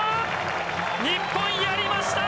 日本やりました！